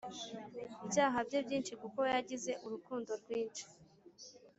Byaha bye byinshi kuko yagize urukundo rwinshi